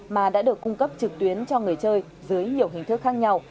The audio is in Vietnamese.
mà đã được cung cấp trực tuyến cho người chơi dưới nhiều hình thức khác nhau